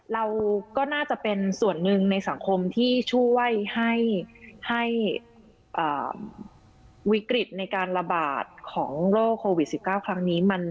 เราก็น่าจะเป็นส่วนหนึ่งในสังคมที่ช่วยให้วิกฤตในการระบาดของโรคโควิด๑๙ครั้งนี้